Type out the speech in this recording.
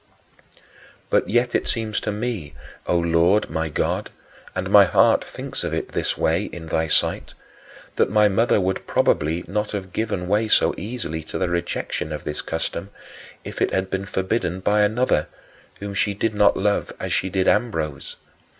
But yet it seems to me, O Lord my God and my heart thinks of it this way in thy sight that my mother would probably not have given way so easily to the rejection of this custom if it had been forbidden by another, whom she did not love as she did Ambrose.